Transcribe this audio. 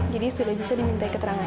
jadi sudah bisa diminta keterangan